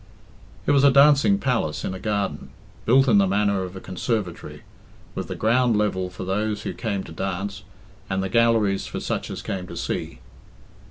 It was a dancing palace in a garden, built in the manner of a conservatory, with the ground level for those who came to dance, and the galleries for such as came to see.